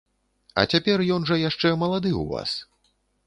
А цяпер ён жа яшчэ малады ў вас.